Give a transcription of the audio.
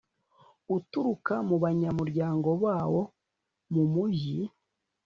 uturuka mu banyamuryango bawo mu mujyi